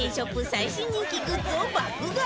最新人気グッズを爆買い